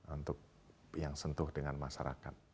untuk yang sentuh dengan masyarakat